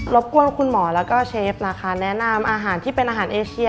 บกวนคุณหมอแล้วก็เชฟนะคะแนะนำอาหารที่เป็นอาหารเอเชีย